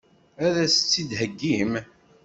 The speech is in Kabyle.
Ad as-tt-id-theggim?